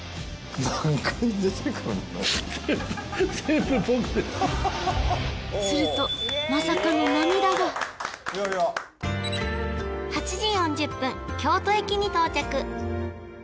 いけますね一体するとまさかの涙が８時４０分京都駅に到着